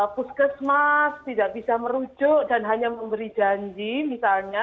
puskesmas tidak bisa merujuk dan hanya memberi janji misalnya